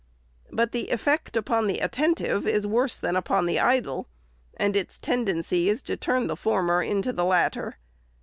But the effect upon the attentive is worse than upon the idle ; and its tendency is to turn the former into the latter.